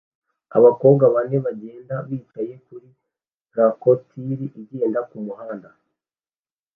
Abakobwa bane bagenda bicaye kuri traktori igenda kumurima